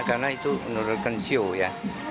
karena itu menurutkan siu ya